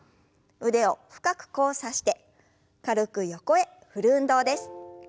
腕を深く交差して軽く横へ振る運動です。